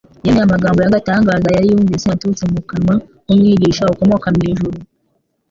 Yemeye amagambo y’agatangaza yari yumvise aturutse mu kanwa k’Umwigisha ukomoka mw’ijuru.